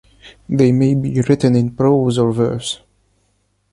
They may be written in prose or verse.